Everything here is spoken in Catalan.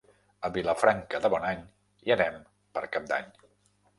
A Vilafranca de Bonany hi anem per Cap d'Any.